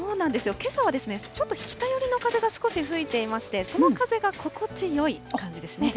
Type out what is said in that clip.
けさは、ちょっと北寄りの風が少し吹いていまして、その風が心地よい感じですね。